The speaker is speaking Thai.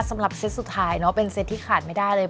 เซตสุดท้ายเนอะเป็นเซตที่ขาดไม่ได้เลย